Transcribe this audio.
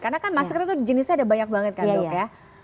karena kan masker itu jenisnya ada banyak banget kan dok ya